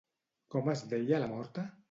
Com es deia la morta?